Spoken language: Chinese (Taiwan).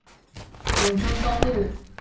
永春東路